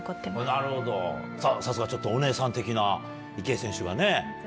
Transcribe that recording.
なるほどさすがお姉さん的な池江選手がね。